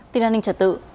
tin an ninh trật tự